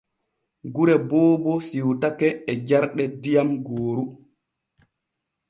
Gure Boobo siwtake e jarɗe diyam gooru.